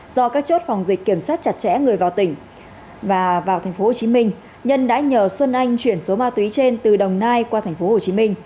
do các chốt phòng dịch kiểm soát chặt chẽ người vào tỉnh và vào tp hcm nhân đã nhờ xuân anh chuyển số ma túy trên từ đồng nai qua tp hcm